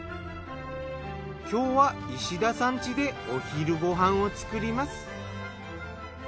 今日は石田さん家でお昼ご飯を作ります。